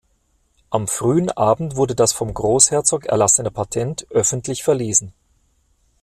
Am frühen Abend wurde das vom Großherzog erlassene Patent öffentlich verlesen.